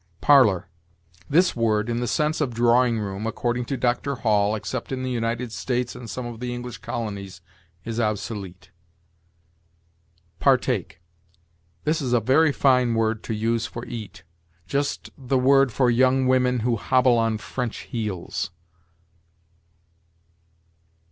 PARLOR. This word, in the sense of drawing room, according to Dr. Hall, except in the United States and some of the English colonies, is obsolete. PARTAKE. This is a very fine word to use for eat; just the word for young women who hobble on French heels.